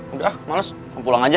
udah males pulang aja